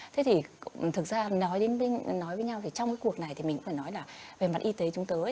thế thì thực ra nói với nhau thì trong cái cuộc này thì mình cũng phải nói là về mặt y tế chúng tôi